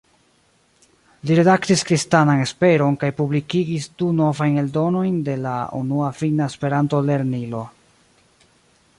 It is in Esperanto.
Li redaktis "Kristanan Esperon" kaj publikigis du novajn eldonojn de la unua finna Esperanto-lernilo.